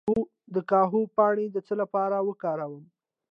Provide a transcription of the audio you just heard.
د کاهو پاڼې د څه لپاره وکاروم؟